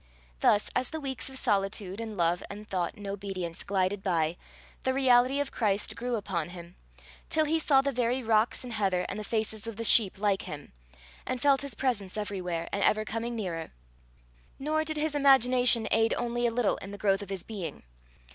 Thus, as the weeks of solitude and love and thought and obedience glided by, the reality of Christ grew upon him, till he saw the very rocks and heather and the faces of the sheep like him, and felt his presence everywhere, and ever coming nearer. Nor did his imagination aid only a little in the growth of his being.